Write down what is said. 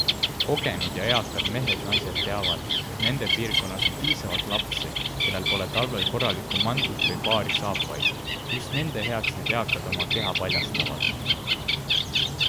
Kogenud ja eakad mehed-naised teavad, et nende piirkonnas on piisavalt lapsi, kellel pole talvel korralikku mantlit või paari saapaid - just nende heaks need eakad oma keha paljastavad.